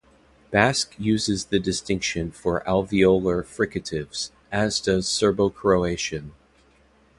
Basque uses the distinction for alveolar fricatives, as does Serbo-Croatian.